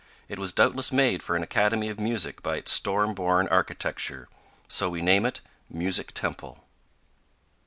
It was doubtless made for an academy of music by its storm born architect; so we name it Music Temple.